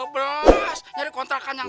mencari kontrakan yang seratus